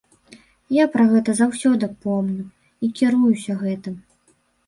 Я пра гэта заўсёды помню і кіруюся гэтым.